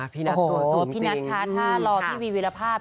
พี่นัทถ้ารอพี่วิลภาพ